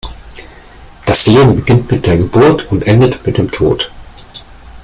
Das Leben beginnt mit der Geburt und endet mit dem Tod.